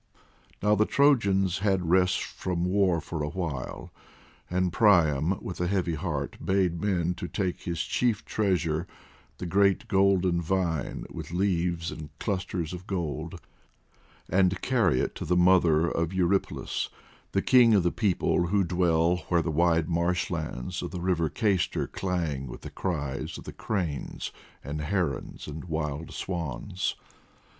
Now the Trojans had rest from war for a while, and Priam, with a heavy heart, bade men take his chief treasure, the great golden vine, with leaves and clusters of gold, and carry it to the mother of Eurypylus, the king of the people who dwell where the wide marshlands of the river Cayster clang with the cries of the cranes and herons and wild swans.